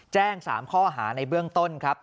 แจ้ง๓ข้อหาในเบื้องต้นครับ